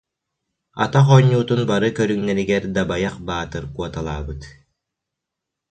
Атах оонньуутун бары көрүҥнэригэр Дабайах Баатыр куоталаабыт